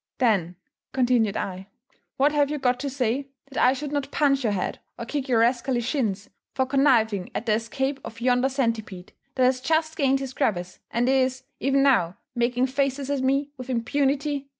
"Then," continued I, "what have you got to say, that I should not punch your head or kick your rascally shins, for conniving at the escape of yonder centipede that has just gained his crevice, and is, even now, making faces at me with impunity?"